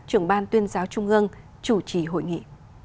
trưởng ban tuyên giáo trung ương chủ trì hội nghị